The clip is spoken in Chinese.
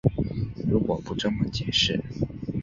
如果不这么解释